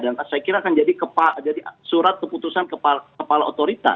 dan saya kira akan jadi surat keputusan kepala otorita